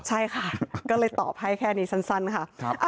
ใช่ค่ะก็เลยตอบให้แค่นี้สั้นค่ะ